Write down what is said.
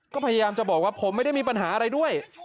ก็พยายามจะบอกว่าผมไม่ได้มีปัญหาอะไรด้วย